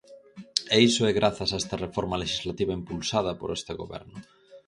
E iso é grazas a esta reforma lexislativa impulsada por este goberno.